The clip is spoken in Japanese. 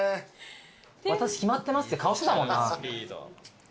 私決まってますって顔してたもんな。